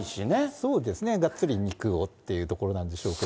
そうですね、やっぱり肉をっていうところなんでしょうけど。